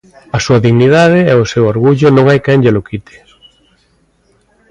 A súa dignidade e o seu orgullo non hai quen llelo quite.